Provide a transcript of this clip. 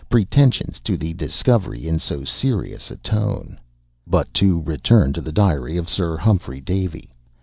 pretensions to the discovery, in so serious a tone. But to return to the 'Diary' of Sir Humphrey Davy.